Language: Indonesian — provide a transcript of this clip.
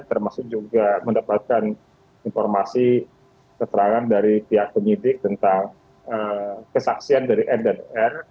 termasuk juga mendapatkan informasi keterangan dari pihak penyidik tentang kesaksian dari n dan r